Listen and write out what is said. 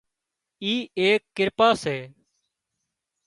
اي ايڪ ڪرپا سي